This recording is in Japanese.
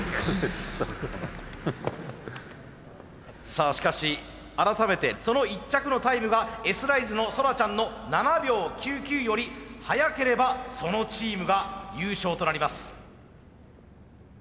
さあしかし改めてその１着のタイムがＳライズのソラちゃんの７秒９９より早ければそのチームが優勝となります。